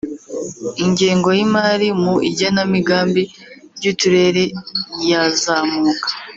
ingengo y’imari mu igenamigambi ry’uturere yazamuka